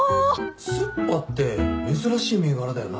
水破って珍しい銘柄だよな。